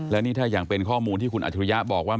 และนี่ถ้าอย่างเป็นข้อมูลที่คุณอัจฉริยะบอกว่า